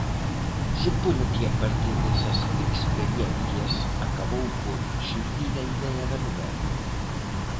Supoño que a partir desas experiencias acabou por xurdir a idea da novela.